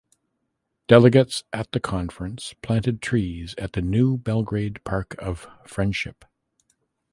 Delegates at the conference planted trees at the New Belgrade Park of Friendship.